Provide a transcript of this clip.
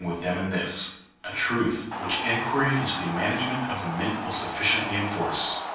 401 with them in this — a truth which inquiry into the management of the mint will sufficiently enforce.